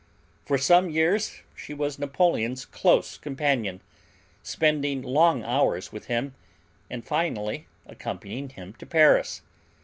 For some years she was Napoleon's close companion, spending long hours with him and finally accompanying him to Paris.